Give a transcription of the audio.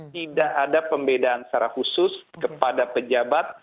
tidak ada pembedaan secara khusus kepada pejabat